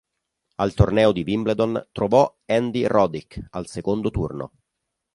Al Torneo di Wimbledon trovò Andy Roddick al secondo turno.